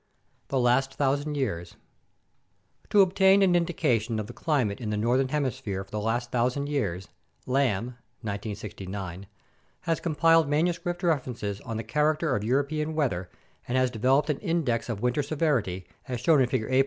The Last 1000 Years To obtain an indication of the climate in the northern hemisphere for the last 1000 years, Lamb (1969) has compiled manuscript references on the character of European weather and has developed an index of winter severity, as shown in Figure A.